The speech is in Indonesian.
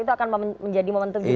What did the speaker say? itu akan menjadi momentum juga